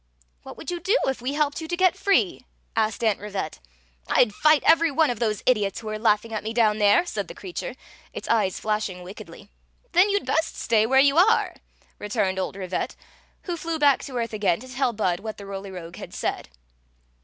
"What would you do if we helped you to get free?" asked Aunt Rivette. •* rd fij^t every one of those idiots who are laugh ing at me down there !" said the creature, its eyes flashing wicke ily. "Then you 'd best stay where you arc, returned old Rivette, who flew back to atrth again to tell Bud what the Roly Rogue had said.